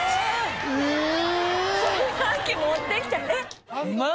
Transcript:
「炊飯器持ってきてえっ？」